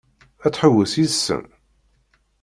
Ad tḥewwes yid-sen?